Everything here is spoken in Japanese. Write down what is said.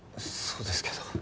そうですけど。